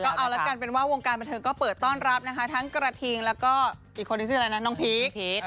เอาละกันเป็นว่าวงการบันเทิงก็เปิดต้อนรับนะคะทั้งกระทิงแล้วก็อีกคนที่ชื่ออะไรนะน้องพีค